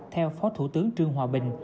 theo phó thủ tướng trương hòa bình